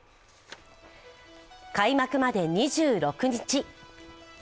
開幕まで２６日。